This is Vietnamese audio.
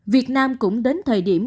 việt nam cũng đến thời điểm